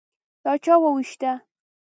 _دا چا ووېشته؟